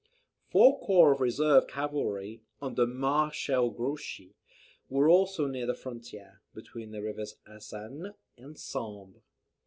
] Four corps of reserve cavalry, under Marshal Grouchy, were also near the frontier, between the rivers Aisne and Sambre.